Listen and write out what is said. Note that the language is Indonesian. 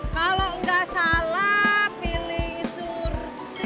kalau enggak salah pilih surti